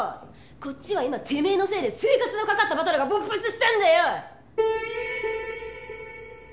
こっちは今てめえのせいで生活のかかったバトルが勃発してんだよ！